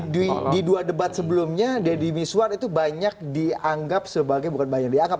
di dua debat sebelumnya deddy miswar itu banyak dianggap sebagai bukan banyak dianggap